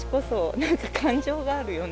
なんか感情があるよね。